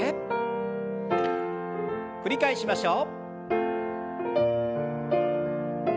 繰り返しましょう。